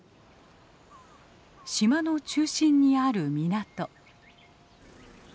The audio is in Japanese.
島の中心にある港。